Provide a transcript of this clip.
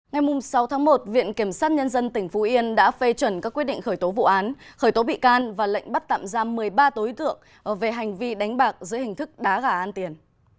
ngày sáu tháng một viện kiểm sát nhân dân tỉnh phú yên đã phê chuẩn các quyết định khởi tố vụ án khởi tố bị can và lệnh bắt tạm giam một mươi ba đối tượng về hành vi đánh bạc dưới hình thức đá gà ăn tiền